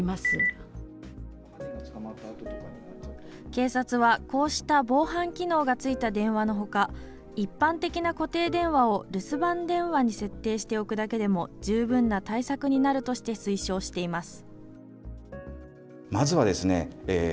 警察はこうした防犯機能が付いた電話のほか一般的な固定電話を留守番電話に設定しておくだけでも、十分な対策になるとして推奨しています。